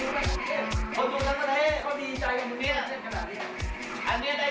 ไม่ต้องคิดพรุ่งนี้เริ่มใหม่